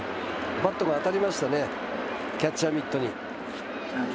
バットが当たりましたね、キャッチャーミットに。